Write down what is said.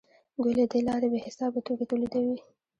دوی له دې لارې بې حسابه توکي تولیدوي